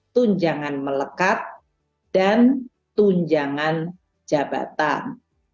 tunjangan melekat dan tunjangan jabatan